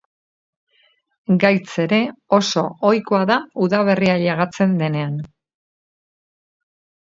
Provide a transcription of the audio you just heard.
Gaitz ere oso ohikoa da udaberria ailegatzen denean.